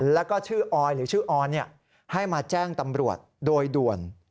แล้วก็ชื่อออยหรือชื่อออนให้มาแจ้งตำรวจโดยด่วน